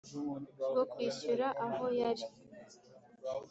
Bwo Kwishyura Aho Yari